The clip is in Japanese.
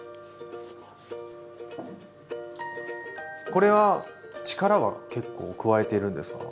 これは力は結構加えてるんですか？